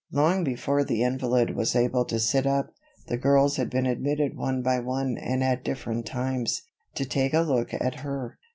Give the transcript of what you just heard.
Long before the invalid was able to sit up, the girls had been admitted one by one and at different times, to take a look at her.